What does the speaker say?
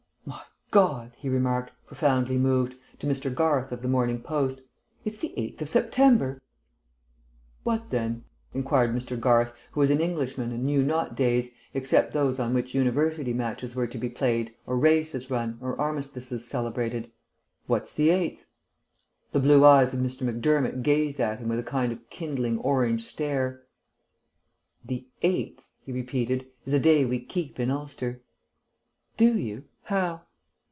"My God," he remarked, profoundly moved, to Mr. Garth of the Morning Post, "it's the 8th of September." "What then?" inquired Mr. Garth, who was an Englishman and knew not days, except those on which university matches were to be played or races run or armistices celebrated. "What's the 8th?" The blue eyes of Mr. Macdermott gazed at him with a kind of kindling Orange stare. "The 8th," he replied, "is a day we keep in Ulster." "Do you? How?"